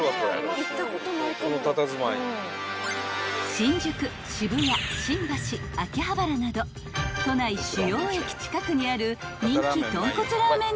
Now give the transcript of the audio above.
［新宿渋谷新橋秋葉原など都内主要駅近くにある］